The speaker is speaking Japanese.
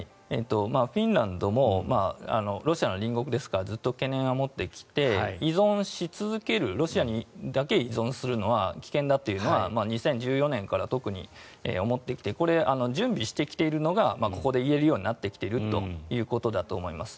フィンランドもロシアの隣国ですからずっと懸念は持ってきて依存し続けるロシアにだけ依存するのは危険だというのは２０１４年から特に思ってきてこれ、準備してきているのがここで言えるようになってきているということだと思います。